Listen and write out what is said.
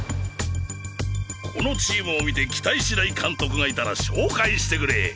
このチームを見て期待しない監督がいたら紹介してくれ。